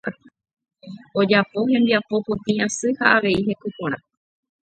Ojapo hembiapo potĩ asy ha avei heko porã.